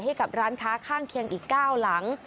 ให้กับร้านค้าข้างเคียงอีก๙หลัง